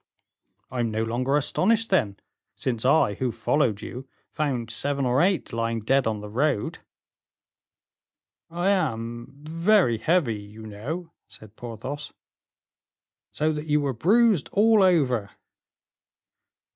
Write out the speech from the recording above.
"I am no longer astonished, then, since I, who followed you, found seven or eight lying dead on the road." "I am very heavy, you know," said Porthos. "So that you were bruised all over."